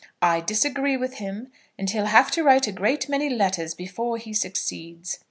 I disagree with him, and he'll have to write a great many letters before he succeeds."